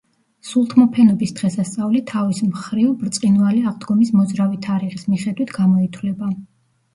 სულთმოფენობის დღესასწაული, თავის მხრივ, ბრწყინვალე აღდგომის მოძრავი თარიღის მიხედვით გამოითვლება.